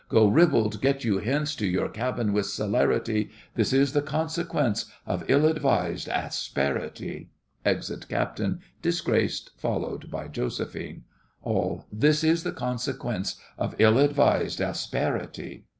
Go, ribald, get you hence To your cabin with celerity. This is the consequence Of ill advised asperity [Exit CAPTAIN, disgraced, followed by JOSEPHINE ALL. This is the consequence, Of ill advised asperity!